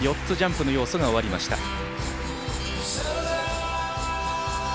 ４つ、ジャンプの要素が終わりました。